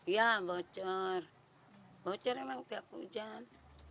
iya bocor bocor memang tiap hujan